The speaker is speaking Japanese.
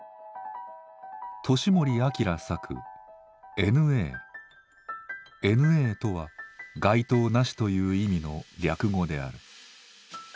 年森瑛作「Ｎ／Ａ」とは「該当なし」という意味の略語である。